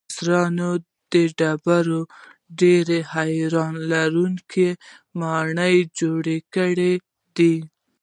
مصریانو د ډبرو ډیرې حیرانوونکې ماڼۍ جوړې کړې دي.